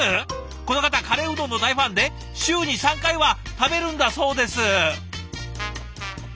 この方カレーうどんの大ファンで週に３回は食べるんだそうです。